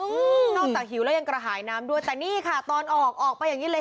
นอกจากหิวแล้วยังกระหายน้ำด้วยแต่นี่ค่ะตอนออกออกไปอย่างงี้เลย